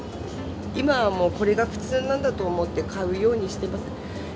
今はもう、これが普通なんだと思って、買うようにしてます。